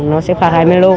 nó sẽ phạt hai mươi lô